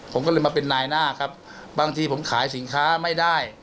ผมก็เลยมาเป็นนายหน้าครับบางทีผมขายสินค้าไม่ได้